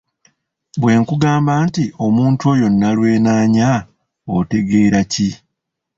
Bwe nkugamba nti omuntu oyo nnalwenaanya otegeera ki?